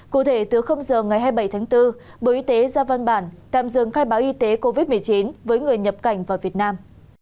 cụ thể từ giờ ngày hai mươi bảy tháng bốn bộ y tế ra văn bản tạm dừng khai báo y tế covid một mươi chín với người nhập cảnh vào việt nam